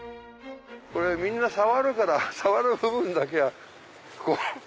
これみんな触るから触る部分だけこれ。